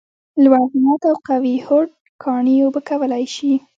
لوړ همت او قوي هوډ کاڼي اوبه کولای شي !